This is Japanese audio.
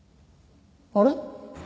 あれ？